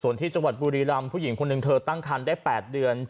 ส่วนที่จังหวัดบุรีรำผู้หญิงคนหนึ่งเธอตั้งคันได้๘เดือน